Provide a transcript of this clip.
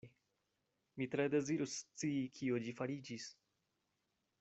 Mi tre dezirus scii, kio ĝi fariĝis.